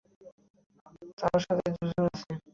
তার সাথে দুজন আছে।